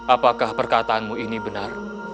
apakah perkataanmu ini benar